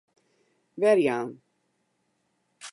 Werjaan.